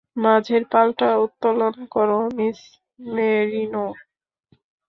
মাঝের পালটা উত্তলোন করো, মিস মেরিনো।